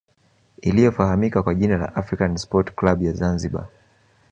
iliyofahamika kwa jina la african sport club ya zanzibar